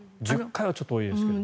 １０回はちょっと多いですけど。